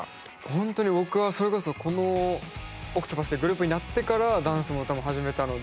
ほんとに僕はそれこそこのＯＣＴＰＡＴＨっていうグループになってからダンスも歌も始めたので。